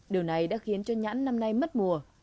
điều này đã khiến cho nhãn năm nay mất mùa